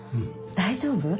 大丈夫？